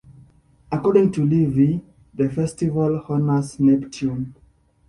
According to Livy, the festival honors Neptune.